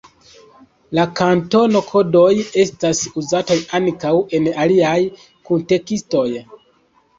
La kantono-kodoj estas uzataj ankaŭ en aliaj kuntekstoj.